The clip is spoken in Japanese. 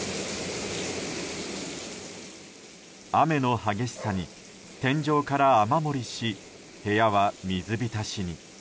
雨の激しさに天井から雨漏りし部屋は水浸しに。